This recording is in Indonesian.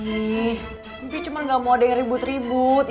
ih pi cuman gak mau ada yang ribut ribut